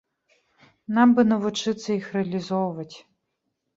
Нам бы навучыцца іх рэалізоўваць.